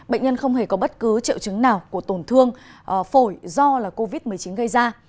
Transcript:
bệnh nhân không hề có bất cứ triệu chứng nào của tổn thương phổi do covid một mươi chín gây ra